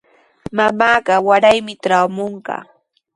Mamaaqa waraymi traamunqa.